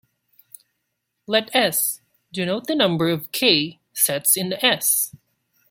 Let "s" denote the number of "k"-sets in "S".